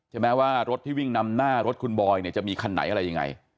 ใช่ไหมว่ารถที่วิ่งนำหน้ารถคุณบอยเนี่ยจะมีคันไหนอะไรยังไง